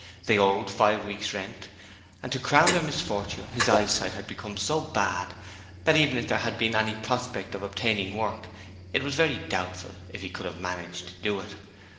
They owed five weeks' rent, and to crown their misfortune his eyesight had become so bad that even if there had been any prospect of obtaining work it was very doubtful if he could have managed to do it.